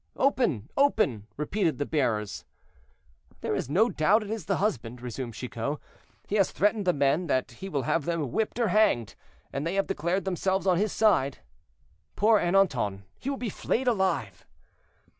"Open! open!" repeated the bearers. "There is no doubt it is the husband," resumed Chicot; "he has threatened the men that he will have them whipped or hanged, and they have declared themselves on his side. "Poor Ernanton, he will be flayed alive.